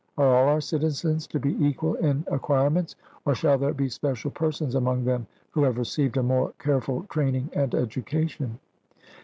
Are all our citizens to be equal in acquirements, or shall there be special persons among them who have received a more careful training and education?